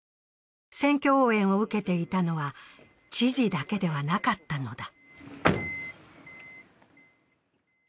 選挙応援を受けていたのは知事だけではなかったのだ。